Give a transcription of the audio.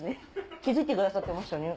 気付いてくださってましたね。